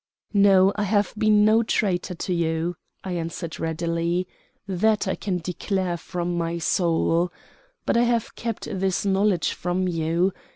"No, I have been no traitor to you," I answered readily. "That I can declare from my soul. But I have kept this knowledge from you.